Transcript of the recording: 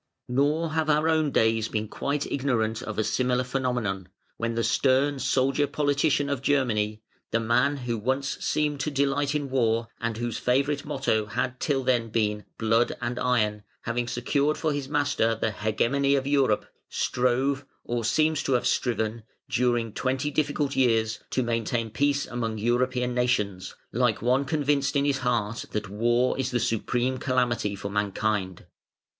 Nor have our own days been quite ignorant of a similar phenomenon, when the stern soldier politician of Germany, the man who once seemed to delight in war and whose favourite motto had till then been "blood and iron" having secured for his master the hegemony of Europe, strove (or seems to have striven), during twenty difficult years, to maintain peace among European nations, like one convinced in his heart that War is the supreme calamity for mankind.